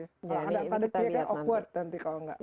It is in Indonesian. tadiknya kan awkward nanti kalau enggak